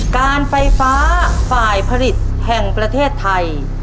การไฟฟ้าฝ่ายผลิตแห่งประเทศไทย